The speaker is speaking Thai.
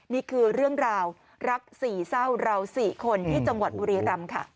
นี่คือเรื่องราวรักสี่เศร้าเรา๔คนที่จังหวัดบุรีรำค่ะ